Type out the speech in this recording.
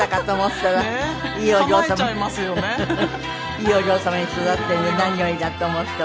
いいお嬢様に育ってて何よりだと思っております。